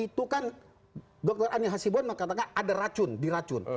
itu kan dokter anil hasibon mengatakan ada racun diracun